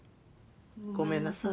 ごめんなさい。